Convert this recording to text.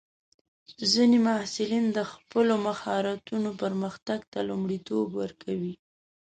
ځینې محصلین د خپلو مهارتونو پرمختګ ته لومړیتوب ورکوي.